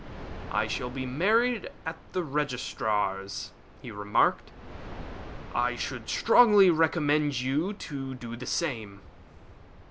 "I shall be married at the registrar's," he remarked; "I should strongly recommend you to do the same."